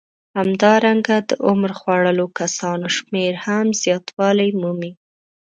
همدارنګه د عمر خوړلو کسانو شمېر هم زیاتوالی مومي